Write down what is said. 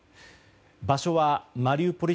場所はマリウポリ